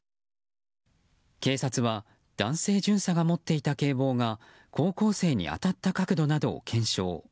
警察は男性巡査が持っていた警棒が高校生に当たった角度などを検証。